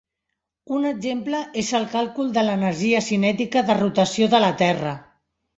Un exemple és el càlcul de l'energia cinètica de rotació de la Terra.